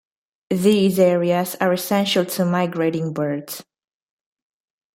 These areas are essential to migrating birds.